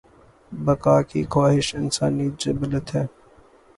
بقا کی خواہش انسانی جبلت ہے۔